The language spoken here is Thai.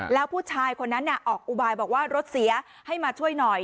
แล้วผู้ชายคนนั้นออกอุบายบอกว่ารถเสียให้มาช่วยหน่อย